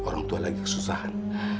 orang tua lagi kesusahan